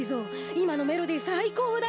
いまのメロディーさいこうだよ！